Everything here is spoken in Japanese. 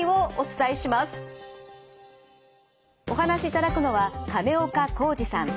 お話しいただくのは金岡恒治さん。